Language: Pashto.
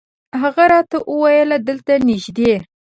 هغه راته وویل دلته نږدې.